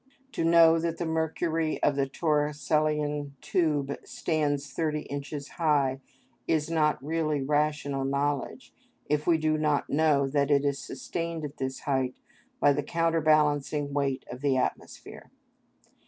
To know that the mercury in the Torricellian tube stands thirty inches high is not really rational knowledge if we do not know that it is sustained at this height by the counterbalancing weight of the atmosphere.